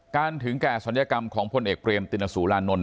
ถึงแก่ศัลยกรรมของพลเอกเบรมตินสุรานนท